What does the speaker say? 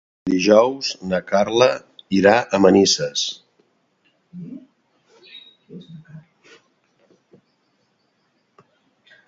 Dijous na Carla irà a Manises.